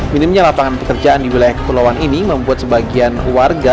minimnya lapangan pekerjaan di wilayah kepulauan ini membuat sebagian warga